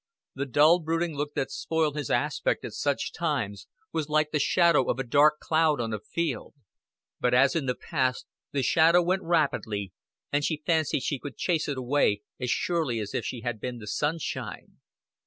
The dull brooding look that spoiled his aspect at such times was like the shadow of a dark cloud on a field; but as in the past the shadow went rapidly, and she fancied she could chase it away as surely as if she had been the sunshine.